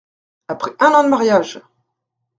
Après un an de mariage !